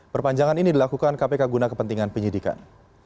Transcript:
perpanjangan ini dilakukan kpk guna kepentingan penyidikan